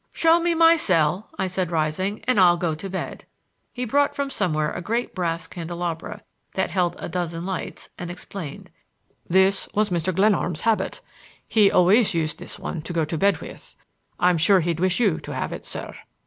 "Show me my cell," I said, rising, "and I'll go to bed." He brought from somewhere a great brass candelabrum that held a dozen lights, and explained: "This was Mr. Glenarm's habit. He always used this one to go to bed with. I'm sure he'd wish you to have it, sir."